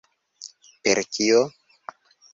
Per kio?